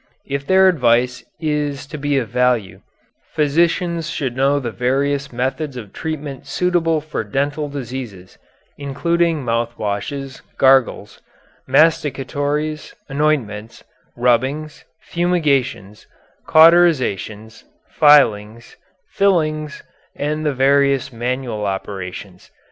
If their advice is to be of value, physicians should know the various methods of treatment suitable for dental diseases, including mouth washes, gargles, masticatories, anointments, rubbings, fumigations, cauterizations, fillings, filings, and the various manual operations.